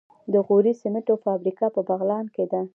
د غوري سمنټو فابریکه په بغلان کې ده.